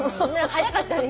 早かったね。